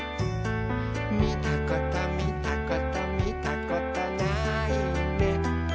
「みたことみたことみたことないね」